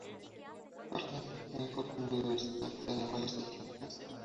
Jardín botánico con biodiversidad de animales y plantas.